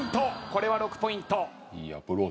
これは６ポイント。